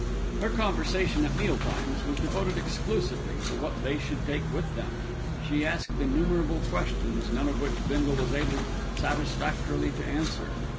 Her conversation at meal times was devoted exclusively to what they should take with them. She asked innumerable questions, none of which Bindle was able satisfactorily to answer.